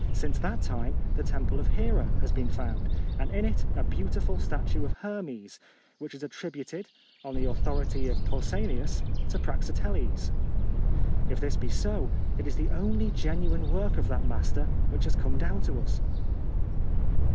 Since that time the temple of Hera has been found, and in it a beautiful statue of Her mes, which is attributed, on the authority of Pausanias, to Praxiteles. If this be so, it is the only genuine work of that master which has come down to us.